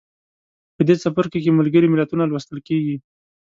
په دې څپرکي کې ملګري ملتونه لوستل کیږي.